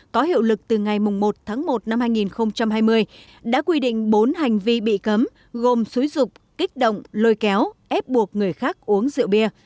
có hiệu lực từ ngày một tháng một năm hai nghìn hai mươi đã quy định bốn hành vi bị cấm gồm xúi rục kích động lôi kéo ép buộc người khác uống rượu bia